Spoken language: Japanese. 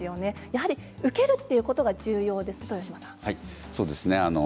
やはり受けるということが重要なんですね。